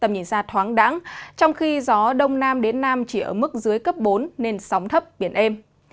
ngày ra thoáng đắng trong khi gió đông nam đến nam chỉ ở mức dưới cấp bốn nên sóng thấp biển êm